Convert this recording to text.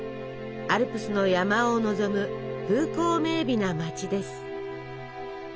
アルプスの山をのぞむ風光明美な街です。